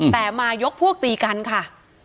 แต่มายกพวกตีกันค่ะ